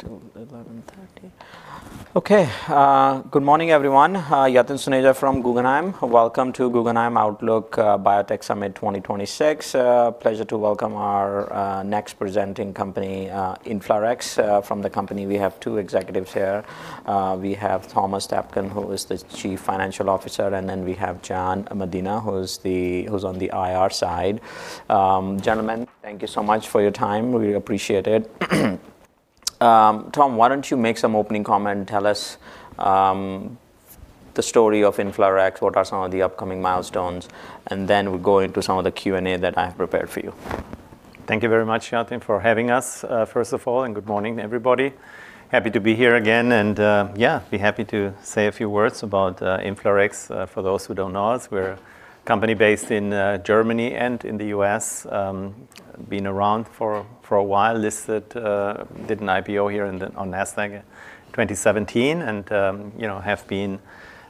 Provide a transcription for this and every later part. Still 11:30 A.M. Okay, good morning everyone. Yatin Suneja from Guggenheim. Welcome to Guggenheim Outlook, Biotech Summit 2026. Pleasure to welcome our next presenting company, InflaRx. From the company we have two executives here. We have Thomas Taapken, who is the Chief Financial Officer, and then we have Jan Medina, who's on the IR side. Gentlemen, thank you so much for your time. We appreciate it. Tom, why don't you make some opening comment, tell us the story of InflaRx, what are some of the upcoming milestones, and then we'll go into some of the Q&A that I have prepared for you. Thank you very much, Yatin, for having us, first of all, and good morning everybody. Happy to be here again, and, yeah, be happy to say a few words about, InflaRx, for those who don't know us. We're a company based in, Germany and in the U.S., been around for a while, listed, did an IPO here on NASDAQ in 2017, and, you know, have been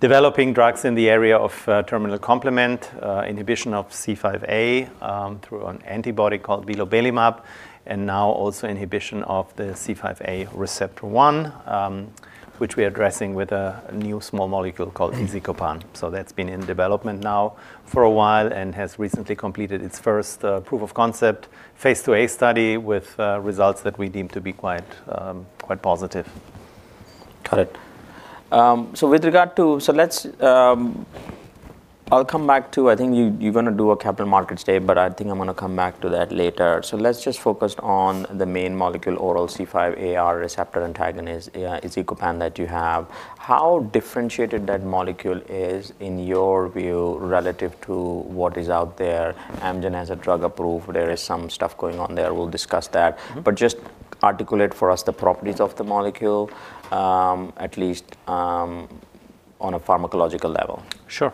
developing drugs in the area of, terminal complement, inhibition of C5a, through an antibody called vilobelimab, and now also inhibition of the C5a receptor 1, which we are addressing with a new small molecule called izicopan. So that's been in development now for a while and has recently completed its first, proof of concept, phase IIA study with, results that we deem to be quite, quite positive. Got it. So let's, I'll come back to I think you're going to do a Capital Markets Day, but I think I'm going to come back to that later. So let's just focus on the main molecule, oral C5aR receptor antagonist, izicopan that you have. How differentiated that molecule is, in your view, relative to what is out there? Amgen has a drug approved. There is some stuff going on there. We'll discuss that. But just articulate for us the properties of the molecule, at least, on a pharmacological level. Sure.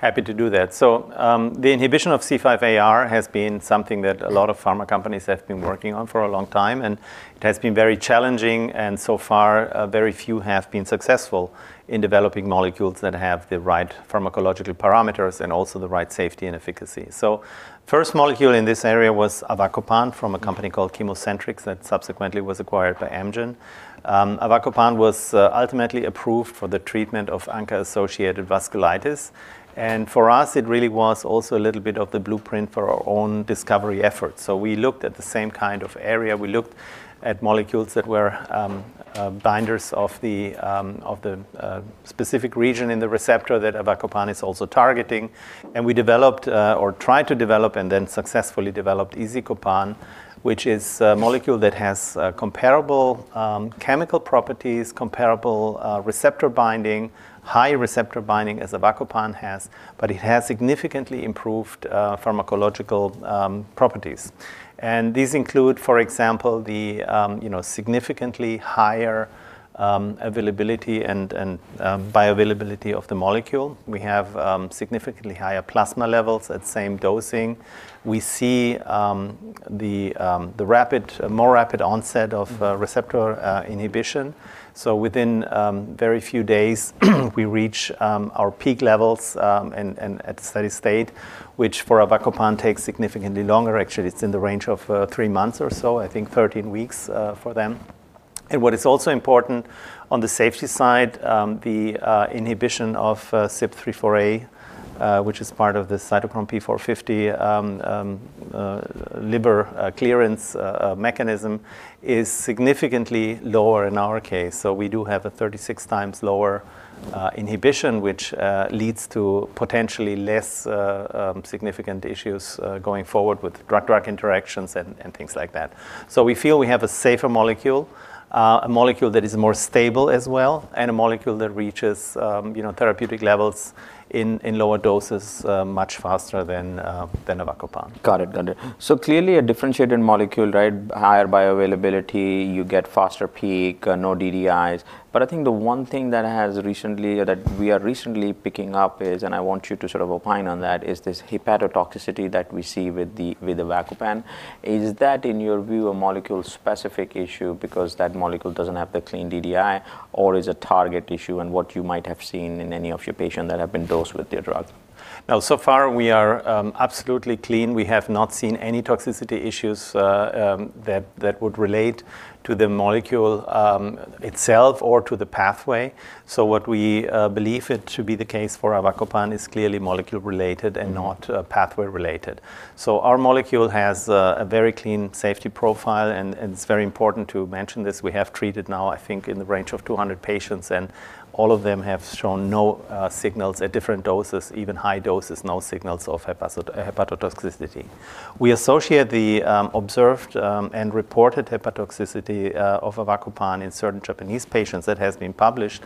Happy to do that. So, the inhibition of C5aR has been something that a lot of pharma companies have been working on for a long time, and it has been very challenging, and so far, very few have been successful in developing molecules that have the right pharmacological parameters and also the right safety and efficacy. So the first molecule in this area was avacopan from a company called ChemoCentryx that subsequently was acquired by Amgen. Avacopan was ultimately approved for the treatment of ANCA-associated vasculitis, and for us, it really was also a little bit of the blueprint for our own discovery efforts. So we looked at the same kind of area. We looked at molecules that were binders of the specific region in the receptor that avacopan is also targeting, and we developed, or tried to develop and then successfully developed izicopan, which is a molecule that has comparable chemical properties, comparable receptor binding, high receptor binding as avacopan has, but it has significantly improved pharmacological properties. And these include, for example, you know, significantly higher availability and bioavailability of the molecule. We have significantly higher plasma levels at same dosing. We see the more rapid onset of receptor inhibition. So within very few days, we reach our peak levels, and at steady state, which for avacopan takes significantly longer. Actually, it's in the range of three months or so, I think 13 weeks, for them. What is also important on the safety side, the inhibition of CYP3A4, which is part of the cytochrome P450 liver clearance mechanism, is significantly lower in our case. So we do have a 36 times lower inhibition, which leads to potentially less significant issues going forward with drug-drug interactions and things like that. So we feel we have a safer molecule, a molecule that is more stable as well, and a molecule that reaches you know therapeutic levels in lower doses much faster than avacopan. Got it, got it. So clearly a differentiated molecule, right, higher bioavailability, you get faster peak, no DDIs. But I think the one thing that we are recently picking up is, and I want you to sort of opine on that, this hepatotoxicity that we see with the avacopan. Is that, in your view, a molecule-specific issue because that molecule doesn't have the clean DDI, or is a target issue in what you might have seen in any of your patients that have been dosed with your drug? Now, so far we are absolutely clean. We have not seen any toxicity issues that would relate to the molecule itself or to the pathway. So what we believe it to be the case for avacopan is clearly molecule-related and not pathway-related. So our molecule has a very clean safety profile, and it's very important to mention this. We have treated now, I think, in the range of 200 patients, and all of them have shown no signals at different doses, even high doses, no signals of hepatotoxicity. We associate the observed and reported hepatotoxicity of avacopan in certain Japanese patients that has been published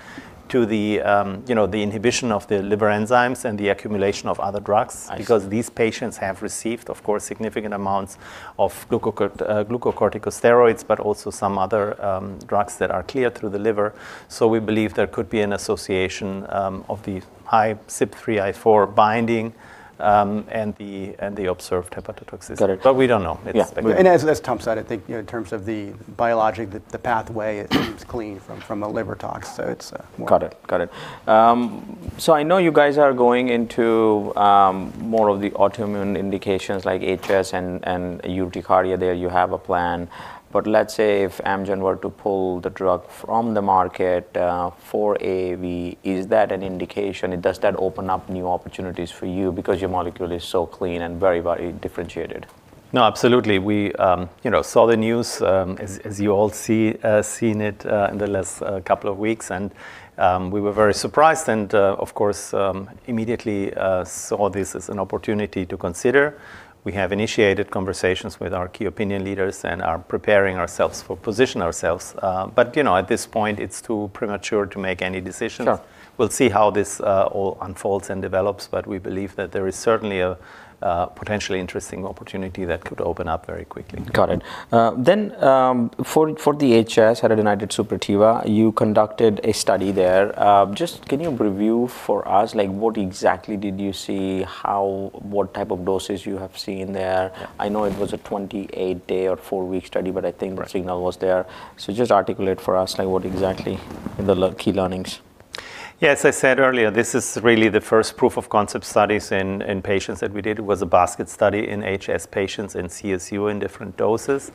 to the, you know, the inhibition of the liver enzymes and the accumulation of other drugs because these patients have received, of course, significant amounts of glucocorticosteroids, but also some other drugs that are cleared through the liver. So we believe there could be an association of the high CYP3A4 binding and the observed hepatotoxicity. Got it. But we don't know. It's speculative. As Tom said, I think, you know, in terms of the biologic, the pathway seems clean from a liver tox. So it's more. Got it, got it. So I know you guys are going into more of the autoimmune indications like HS and urticaria. There you have a plan. But let's say if Amgen were to pull the drug from the market, avacopan, is that an indication? Does that open up new opportunities for you because your molecule is so clean and very, very differentiated? No, absolutely. We, you know, saw the news, as you all have seen it, in the last couple of weeks, and we were very surprised and, of course, immediately saw this as an opportunity to consider. We have initiated conversations with our key opinion leaders and are preparing ourselves to position ourselves. But you know, at this point, it's too premature to make any decisions. We'll see how this all unfolds and develops, but we believe that there is certainly a potentially interesting opportunity that could open up very quickly. Got it. Then, for the HS, hidradenitis suppurativa, you conducted a study there. Just can you review for us, like, what exactly did you see, how what type of doses you have seen there? I know it was a 28-day or four-week study, but I think the signal was there. So just articulate for us, like, what exactly in the key learnings. Yeah, as I said earlier, this is really the first proof of concept studies in patients that we did. It was a basket study in HS patients and CSU in different doses.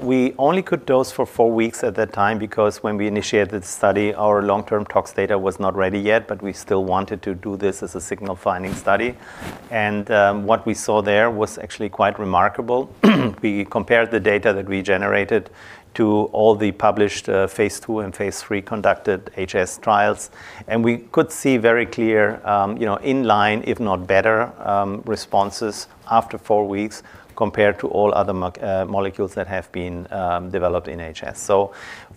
We only could dose for four weeks at that time because when we initiated the study, our long-term tox data was not ready yet, but we still wanted to do this as a signal-finding study. What we saw there was actually quite remarkable. We compared the data that we generated to all the published phase II and phase III conducted HS trials, and we could see very clear, you know, in-line, if not better, responses after four weeks compared to all other molecules that have been developed in HS. So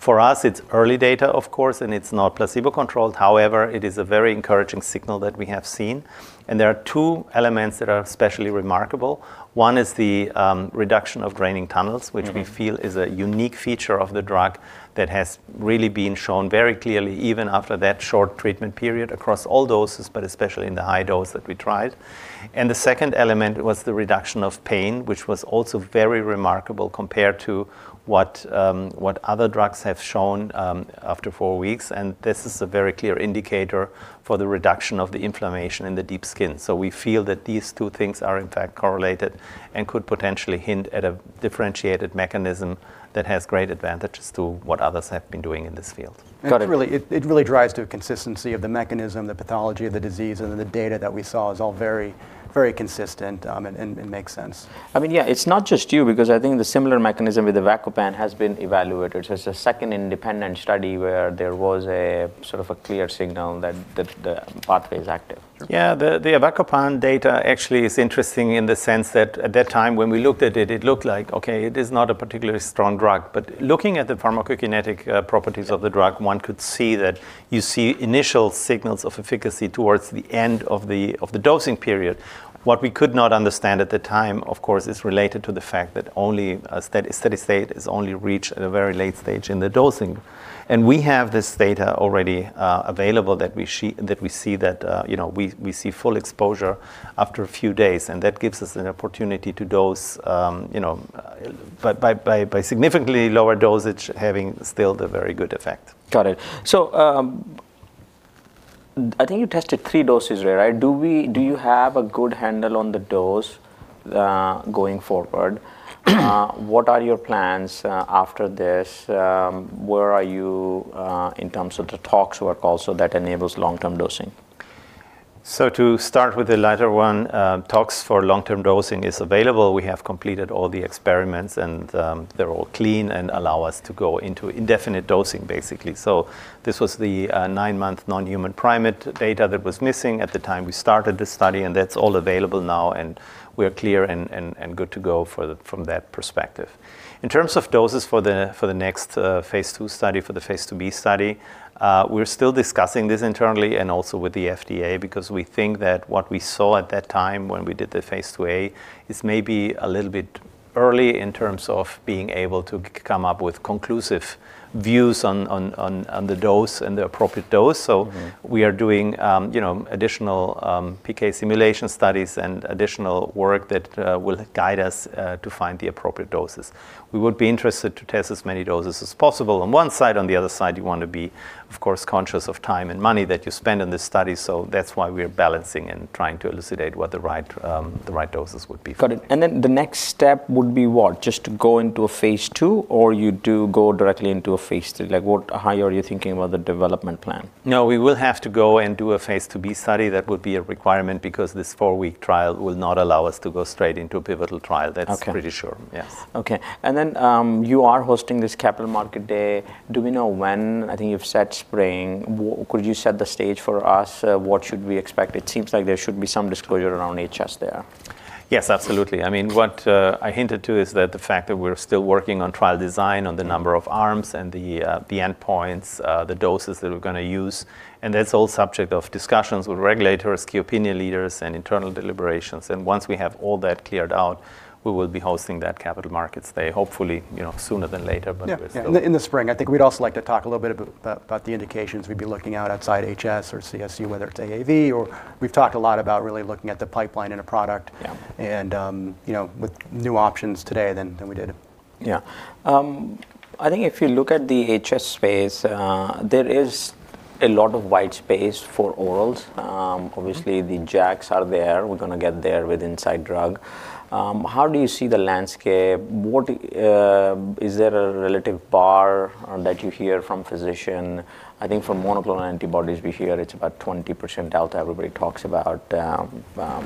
for us, it's early data, of course, and it's not placebo-controlled. However, it is a very encouraging signal that we have seen. There are two elements that are especially remarkable. One is the reduction of draining tunnels, which we feel is a unique feature of the drug that has really been shown very clearly even after that short treatment period across all doses, but especially in the high dose that we tried. The second element was the reduction of pain, which was also very remarkable compared to what other drugs have shown after four weeks. This is a very clear indicator for the reduction of the inflammation in the deep skin. We feel that these two things are, in fact, correlated and could potentially hint at a differentiated mechanism that has great advantages to what others have been doing in this field. Got it. It really drives to a consistency of the mechanism, the pathology of the disease, and then the data that we saw is all very, very consistent, and makes sense. I mean, yeah, it's not just you because I think the similar mechanism with avacopan has been evaluated. So it's a second independent study where there was a sort of a clear signal that the pathway is active. Yeah, the avacopan data actually is interesting in the sense that at that time, when we looked at it, it looked like, okay, it is not a particularly strong drug. But looking at the pharmacokinetic properties of the drug, one could see that you see initial signals of efficacy towards the end of the dosing period. What we could not understand at the time, of course, is related to the fact that only steady state is only reached at a very late stage in the dosing. And we have this data already available that we see that, you know, we see full exposure after a few days, and that gives us an opportunity to dose, you know, by significantly lower dosage, having still the very good effect. Got it. So, I think you tested three doses there, right? Do you have a good handle on the dose, going forward? What are your plans, after this? Where are you, in terms of the tox work also that enables long-term dosing? So to start with the latter one, tox for long-term dosing is available. We have completed all the experiments, and they're all clean and allow us to go into indefinite dosing, basically. So this was the 9-month non-human primate data that was missing at the time we started this study, and that's all available now, and we're clear and good to go from that perspective. In terms of doses for the next phase II study, for the phase IIB study, we're still discussing this internally and also with the FDA because we think that what we saw at that time when we did the phase IIA is maybe a little bit early in terms of being able to come up with conclusive views on the dose and the appropriate dose. So we are doing, you know, additional PK simulation studies and additional work that will guide us to find the appropriate doses. We would be interested to test as many doses as possible on one side. On the other side, you want to be, of course, conscious of time and money that you spend on this study, so that's why we're balancing and trying to elucidate what the right, the right doses would be for. Got it. And then the next step would be what? Just to go into a phase II, or you do go directly into a phase III? Like, what, how are you thinking about the development plan? No, we will have to go and do a phase IIB study. That would be a requirement because this four-week trial will not allow us to go straight into a pivotal trial. That's pretty sure. Yes. Okay. And then, you are hosting this Capital Markets Day. Do we know when? I think you've said spring. Would you set the stage for us? What should we expect? It seems like there should be some disclosure around HS there. Yes, absolutely. I mean, what I hinted to is that the fact that we're still working on trial design, on the number of arms and the endpoints, the doses that we're going to use. And that's all subject of discussions with regulators, key opinion leaders, and internal deliberations. And once we have all that cleared out, we will be hosting that Capital Markets Day, hopefully, you know, sooner than later, but we're still. Yeah, in the spring. I think we'd also like to talk a little bit about the indications we'd be looking at outside HS or CSU, whether it's AAV or we've talked a lot about really looking at the pipeline in a product and, you know, with new options today than we did. Yeah. I think if you look at the HS space, there is a lot of white space for orals. Obviously, the JAKs are there. We're going to get there with izicopan. How do you see the landscape? What is there a relative bar that you hear from physicians? I think for monoclonal antibodies, we hear it's about 20% delta. Everybody talks about from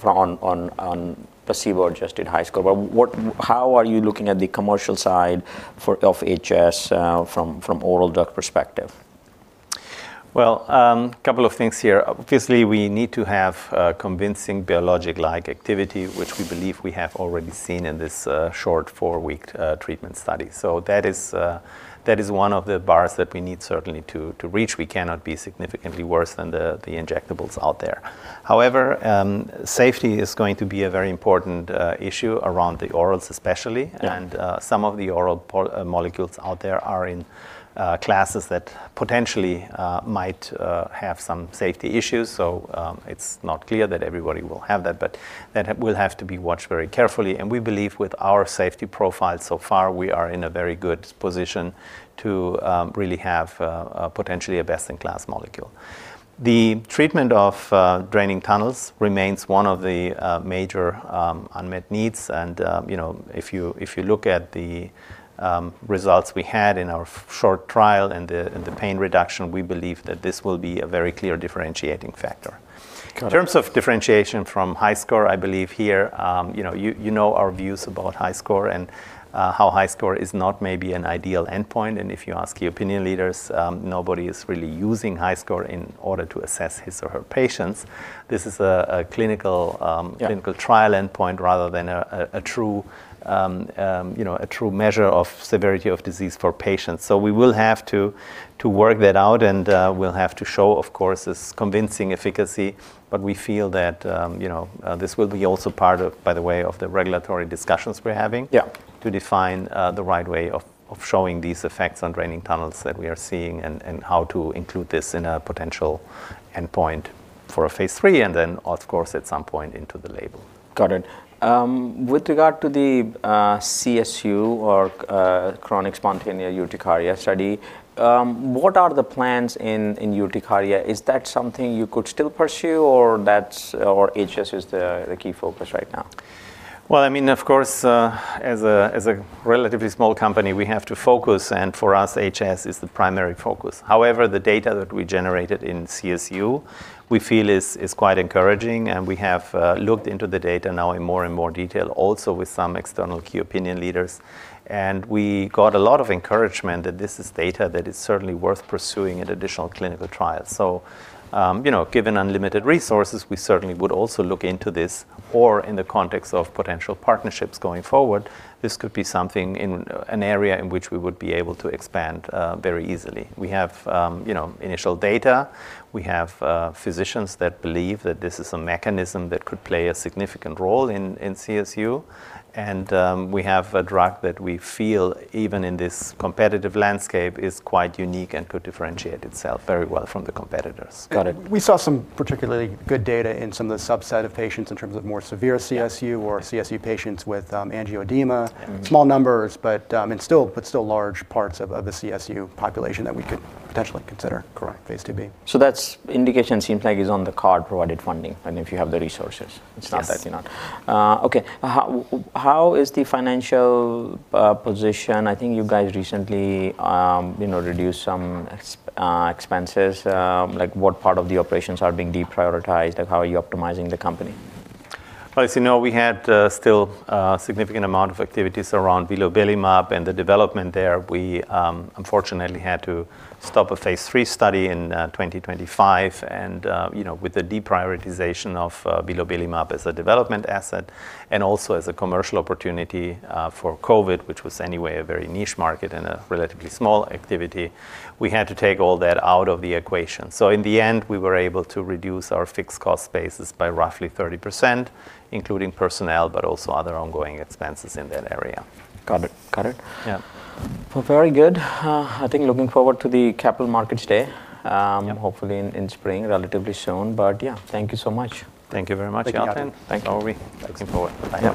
placebo-adjusted HiSCR. But how are you looking at the commercial side for HS from oral drug perspective? Well, a couple of things here. Obviously, we need to have convincing biologic-like activity, which we believe we have already seen in this short 4-week treatment study. So that is one of the bars that we need certainly to reach. We cannot be significantly worse than the injectables out there. However, safety is going to be a very important issue around the orals, especially. And some of the oral PO molecules out there are in classes that potentially might have some safety issues. So it's not clear that everybody will have that, but that will have to be watched very carefully. And we believe with our safety profile so far, we are in a very good position to really have potentially a best-in-class molecule. The treatment of draining tunnels remains one of the major unmet needs. And, you know, if you look at the results we had in our short trial and the pain reduction, we believe that this will be a very clear differentiating factor. In terms of differentiation from HiSCR, I believe here, you know, you know our views about HiSCR and how HiSCR is not maybe an ideal endpoint. And if you ask key opinion leaders, nobody is really using HiSCR in order to assess his or her patients. This is a clinical trial endpoint rather than a true, you know, measure of severity of disease for patients. So we will have to work that out, and we'll have to show, of course, this convincing efficacy. But we feel that, you know, this will be also part of, by the way, of the regulatory discussions we're having to define the right way of showing these effects on draining tunnels that we are seeing and how to include this in a potential endpoint for a phase III and then, of course, at some point into the label. Got it. With regard to the CSU or chronic spontaneous urticaria study, what are the plans in urticaria? Is that something you could still pursue, or that's or HS is the key focus right now? Well, I mean, of course, as a relatively small company, we have to focus, and for us, HS is the primary focus. However, the data that we generated in CSU, we feel, is quite encouraging, and we have looked into the data now in more and more detail also with some external key opinion leaders. And we got a lot of encouragement that this is data that is certainly worth pursuing in additional clinical trials. So, you know, given unlimited resources, we certainly would also look into this. Or in the context of potential partnerships going forward, this could be something in an area in which we would be able to expand very easily. We have, you know, initial data. We have physicians that believe that this is a mechanism that could play a significant role in CSU. We have a drug that we feel, even in this competitive landscape, is quite unique and could differentiate itself very well from the competitors. Got it. We saw some particularly good data in some of the subset of patients in terms of more severe CSU or CSU patients with angioedema. Small numbers, but still large parts of the CSU population that we could potentially consider phase IIB. So that's indication seems like is on the cards provided funding, I mean, if you have the resources. It's not that you're not. Okay. How is the financial position? I think you guys recently, you know, reduced some expenses. Like, what part of the operations are being deprioritized? Like, how are you optimizing the company? Well, as you know, we had, still, significant amount of activities around vilobelimab and the development there. We, unfortunately had to stop a phase III study in 2025. And, you know, with the deprioritization of, vilobelimab as a development asset and also as a commercial opportunity, for COVID, which was anyway a very niche market and a relatively small activity, we had to take all that out of the equation. So in the end, we were able to reduce our fixed cost basis by roughly 30%, including personnel, but also other ongoing expenses in that area. Got it. Got it. Yeah. Well, very good. I think looking forward to the Capital Markets Day, hopefully in spring relatively soon. But yeah, thank you so much. Thank you very much, Yatin. Thank you. How are we? Thanks. Looking forward. Bye now.